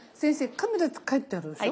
「カメラ」って書いてあるでしょ？